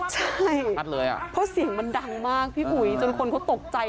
ใช่อ่ะเพราะเสียงมันดังมากพี่อุ๋ยจนคนเขาตกใจ